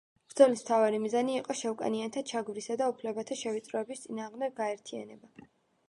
ბრძოლის მთავარი მიზანი იყო შავკანიანთა ჩაგვრისა და უფლებათა შევიწროების წინააღმდეგ გაერთიანება.